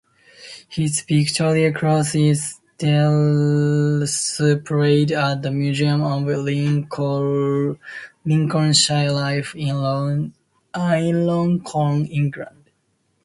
His Victoria Cross is displayed at the Museum of Lincolnshire Life, in Lincoln, England.